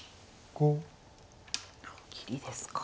切りですか。